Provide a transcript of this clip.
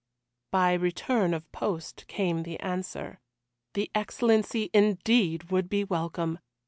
By return of post came the answer. The Excellency indeed would be welcome.